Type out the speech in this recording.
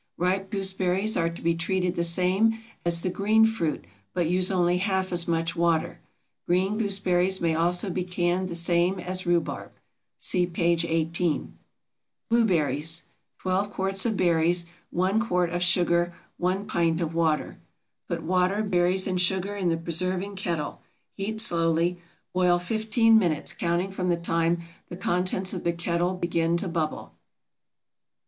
Ripe gooseberries are to be treated the same as the green fruit, but use only half as much water. Green gooseberries may also be canned the same as rhubarb (see p. 18). BLUEBERRIES. 12 quarts of berries. 1 quart of sugar. 1 pint of water. Put water, berries, and sugar in the preserving kettle; heat slowly. Boil fifteen minutes, counting from the time the contents of the kettle begin to bubble.